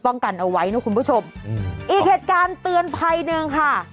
กันเอาไว้นะคุณผู้ชมอีกเหตุการณ์เตือนภัยหนึ่งค่ะ